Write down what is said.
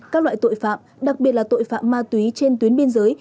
các loại tội phạm đặc biệt là tội phạm ma túy trên tuyến biên giới